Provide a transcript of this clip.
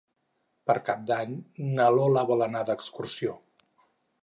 Per Cap d'Any na Lola vol anar d'excursió.